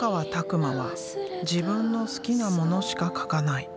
馬は自分の好きなものしか描かない。